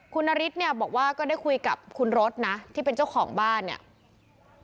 คุณนฤทธิ์เนี่ยบอกว่าก็ได้คุยกับคุณรถนะที่เป็นเจ้าของบ้านเนี่ย